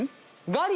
ガリ？